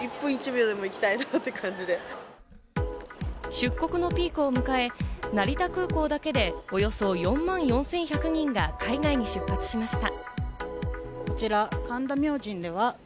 出国のピークを迎え、成田空港だけでおよそ４万４１００人が海外に出発しました。